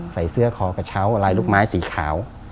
ใส่เสื้อคอกระเช้าลายลูกไม้สีขาว